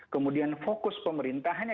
kemudian fokus pemerintah hanya